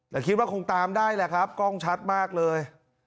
แต่คิดว่าคงตามได้แหละครับกล้องชัดมากเลย